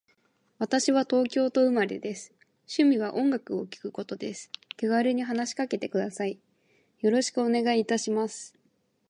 私は東京都生まれです。趣味は音楽を聴くことです。気軽に話しかけてください。よろしくお願いいたします。